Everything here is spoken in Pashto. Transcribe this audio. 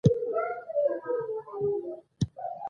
اوښ په کور کې د ګرمۍ مينه وال کېدو فکر کوي.